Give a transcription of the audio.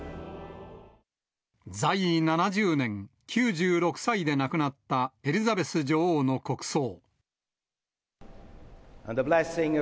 在位７０年、９６歳で亡くなったエリザベス女王の国葬。